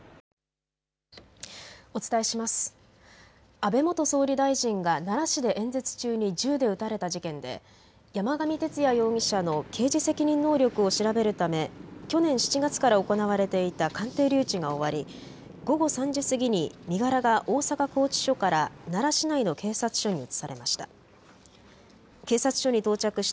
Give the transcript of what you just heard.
安倍元総理大臣が奈良市で演説中に銃で撃たれた事件で山上徹也容疑者の刑事責任能力を調べるため去年７月から行われていた鑑定留置が終わり午後３時過ぎに身柄が大阪拘置所から奈良市内の警察署に移されました。